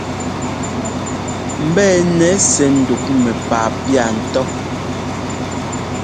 Mbɛ́ɛnɛ sɛ ŋdǔk mɛ́paa pía ńtó.